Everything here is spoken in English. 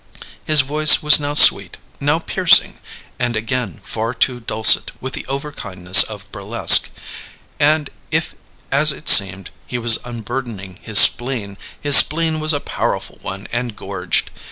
His voice was now sweet, now piercing, and again far too dulcet with the overkindness of burlesque; and if, as it seemed, he was unburdening his spleen, his spleen was a powerful one and gorged.